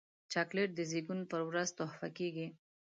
چاکلېټ د زیږون پر ورځ تحفه کېږي.